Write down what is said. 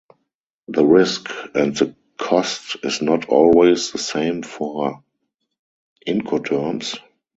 The risk and the cost is not always the same for Incoterms.